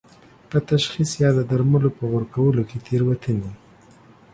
په تشخیص یا د درملو په ورکولو کې تېروتنې